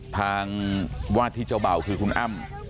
ทางวาดที่เจ้าเบ่าคือคุณอ้ำ